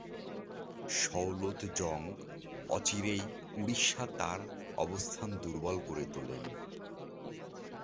সওলত জং অচিরেই উড়িষ্যায় তাঁর অবস্থান দুর্বল করে তোলেন।